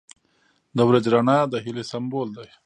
• د ورځې رڼا د هیلې سمبول دی.